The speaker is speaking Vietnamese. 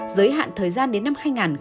giới hạn thời gian đến năm hai nghìn hai mươi